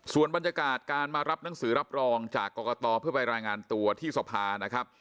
ส่วนบรรยากาศการมารับหนังสือรับรองจากกรกตเพื่อไปรายงานตัวที่สภานะครับ